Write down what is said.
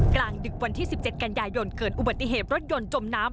กลางดึกวันที่๑๗กันยายนเกิดอุบัติเหตุรถยนต์จมน้ำ